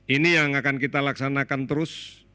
ini yang akan kita laksanakan terus